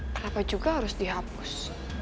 kenapa juga harus dihapus